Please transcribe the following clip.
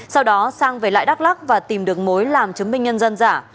sau đó sang về lại đắk lắc và tìm được mối làm chứng minh nhân dân giả